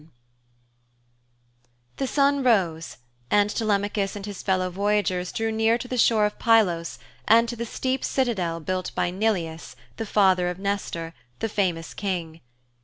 VII The sun rose and Telemachus and his fellow voyagers drew near to the shore of Pylos and to the steep citadel built by Neleus, the father of Nestor, the famous King.